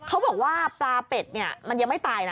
เขาบอกว่าปลาเป็ดเนี่ยมันยังไม่ตายนะ